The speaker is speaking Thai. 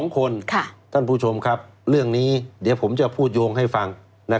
๒คนท่านผู้ชมครับเรื่องนี้เดี๋ยวผมจะพูดโยงให้ฟัง